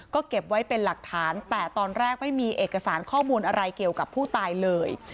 ก็เก็บไว้เป็นหลักฐานแต่ตอนแรกไม่มีเอกสารข้อมูลอะไรเกี่ยวกับผู้ตายเลย